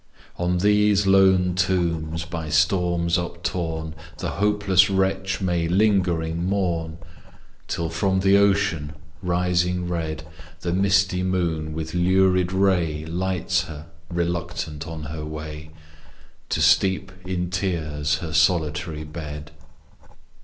On these lone tombs, by storms up torn, The hopeless wretch may lingering mourn, Till from the ocean, rising red, The misty moon with lurid ray Lights her, reluctant, on her way, To steep in tears her solitary bed.